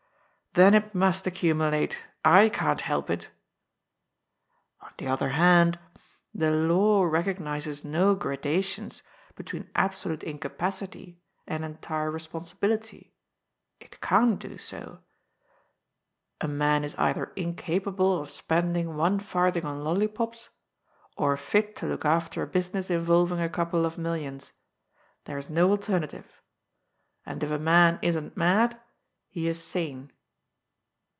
" Then it must accumulate. / can't help it." ^' On the other hand, the law recognizes no gradations between absolute incapacity and entire responsibility. It can't do so. A man is either incapable of spending one farthing on lollipops, or fit to look after a business involving a couple of millions. There is no alternative. And if a man isn't mad, he is sane."